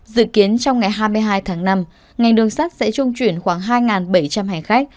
dự kiến trong ngày hai mươi hai tháng năm ngành đường sắt sẽ trung chuyển khoảng hai bảy trăm linh hành khách